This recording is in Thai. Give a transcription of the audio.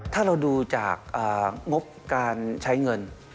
ถ้าเราดูจากงบการใช้เงิน